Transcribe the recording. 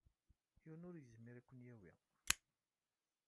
Yiwen ur yezmir ad ken-yawey.